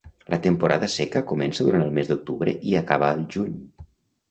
La temporada seca comença durant el mes d'octubre i acaba al juny.